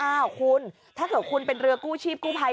อ้าวคุณถ้าเกิดคุณเป็นเรือกู้ชีพกู้ภัย